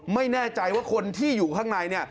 ไม่แน่ใจว่าคนที่อยู่ข้างใน